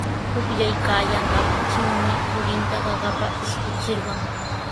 Pukllaykaayanqantrawmi turinta qaqapa ishkichirqan.